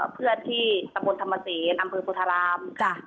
เพื่อนที่ตำบลธรรมศีลอำเภอโพธาราม